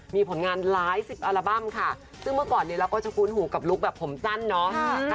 มีผลงานหลายสิบอัลบั้มค่ะซึ่งเมื่อก่อนเนี่ยเราก็จะคุ้นหูกับลุคแบบผมสั้นเนาะ